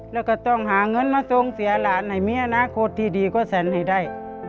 แล้วก็ต้องหาเงินมาทรงเสียหลานให้มีอนาคตที่ดีกว่าแสนให้ได้